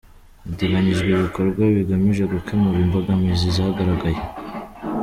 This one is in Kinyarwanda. Hateganyijwe ibikorwa bigamije gukemura imbogamizi zagaragaye.